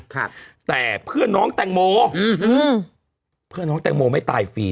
ครับแต่เพื่อนน้องแตงโมอืมอืมเพื่อนน้องแตงโมไม่ตายฟรี